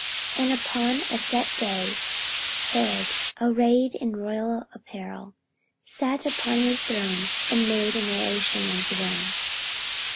44:012:021 And upon a set day Herod, arrayed in royal apparel, sat upon his throne, and made an oration unto them.